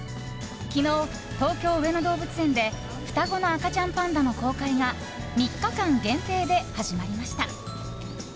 昨日、東京・上野動物園で双子の赤ちゃんパンダの公開が３日間限定で始まりました。